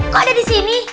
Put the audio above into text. kok ada di sini